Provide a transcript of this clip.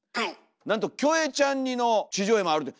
なんとキョエちゃん似の地上絵もあると。